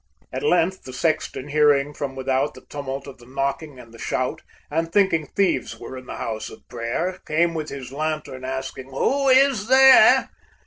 At length the sexton hearing from without The tumult of the knocking and the shout, And thinking thieves were in the house of prayer, Came with his lantern asking, "Who is there?"